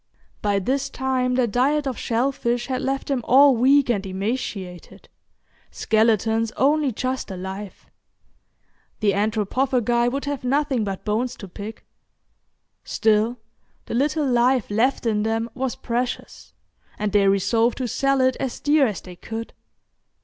By this time their diet of shellfish had left them all weak and emaciated, skeletons only just alive; the anthropophagi would have nothing but bones to pick; still, the little life left in them was precious, and they resolved to sell it as dear as they could.